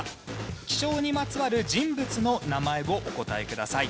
気象にまつわる人物の名前をお答えください。